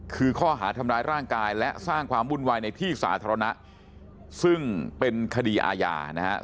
คือข้อหาทำร้ายร่างกายและสร้างความวุ่นวายในที่สาธารณะซึ่งเป็นคดีอาญานะครับ